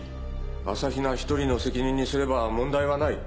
朝比奈一人の責任にすれば問題はない。